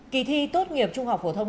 kỳ thi tốt nghiệp trung học phổ thông